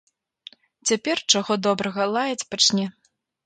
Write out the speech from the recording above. Цяпер, чаго добрага, лаяць пачне.